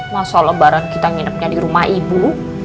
masa lebaran kita nginepnya di rumah ibu